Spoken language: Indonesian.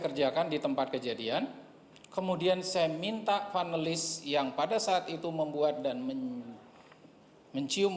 kerjakan di tempat kejadian kemudian saya minta panelis yang pada saat itu membuat dan mencium